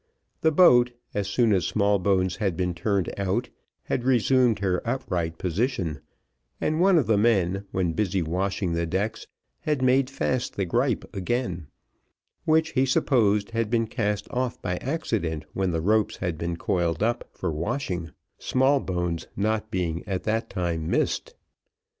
The boat, as soon as Smallbones had been turned out, had resumed her upright position, and one of the men when busy washing the decks, had made fast the gripe again, which he supposed had been cast off by accident when the ropes had been coiled up for washing, Smallbones not being at that time missed.